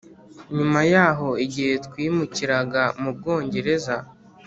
Nyuma yaho igihe twimukiraga mu Bwongereza